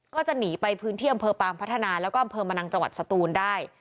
ก็จะหนีไปพื้นที่อำเภอปางพัฒนาแล้วก็อำเภอมะนังจังหวัดสตูนได้